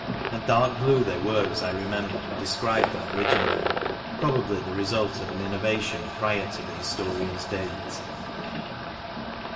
And dark blue they were as I remembered and described them originally, probably the result of an innovation prior to the historian's date.